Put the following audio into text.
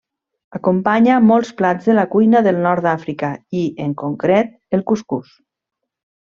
Acompanya molts plats de la cuina del nord d'Àfrica i, en concret, el cuscús.